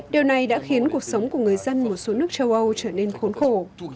điều này đã khiến cuộc sống của người dân một số nước châu âu trở nên khốn khổ